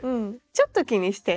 ちょっと気にして。